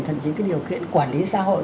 thậm chí cái điều kiện quản lý xã hội